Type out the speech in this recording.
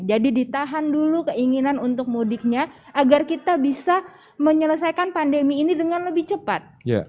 jadi ditahan dulu keinginan untuk mudiknya agar kita bisa menyelesaikan pandemi ini dengan lebih cepat